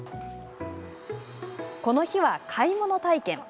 この日は買い物体験。